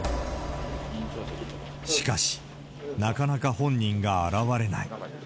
しかし、なかなか本人が現れない。